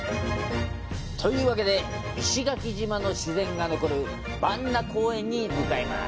というわけで、石垣島の自然が残るバンナ公園に向かいます。